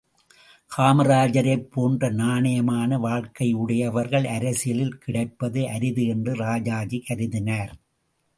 காமராஜரைப் போன்ற நாணயமான வாழ்க்கை உடையவர்கள் அரசியலில் கிடைப்பது அரிது என்று ராஜாஜி கருதினார்.